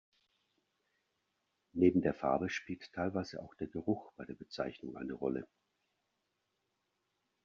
Neben der Farbe spielt teilweise auch der Geruch bei der Bezeichnung eine Rolle.